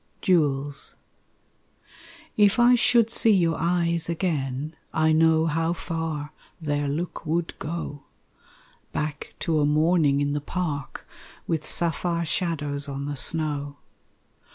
Jewels If I should see your eyes again, I know how far their look would go Back to a morning in the park With sapphire shadows on the snow.